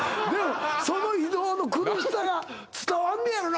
その移動の苦しさが伝わんねやろ